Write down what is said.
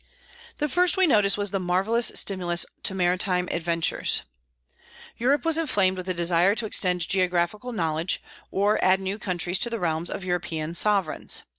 The first we notice was the marvellous stimulus to maritime adventures. Europe was inflamed with a desire to extend geographical knowledge, or add new countries to the realms of European sovereigns.